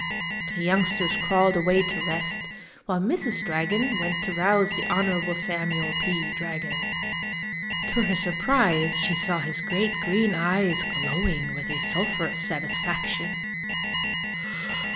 The youngsters crawled away to rest, while Mrs. Dragon went to rouse the Honorable Samuel P. Dragon. To her surprise she saw his great green eyes glowing with a sulphurous satisfaction.